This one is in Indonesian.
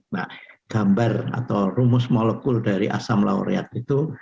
nah gambar atau rumus molekul dari asam laureat itu